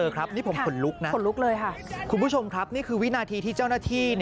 คุณผู้ชมครับนี่คือวินาทีที่เจ้าหน้าที่